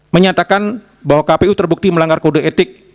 menyatakan bahwa kpu terbukti melanggar kodus peraturan